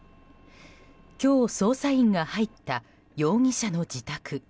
今日、捜査員が入った容疑者の自宅。